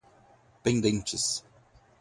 pendentes